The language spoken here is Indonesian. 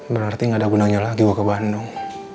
berarti gak ada gunanya lagi gue ke bandung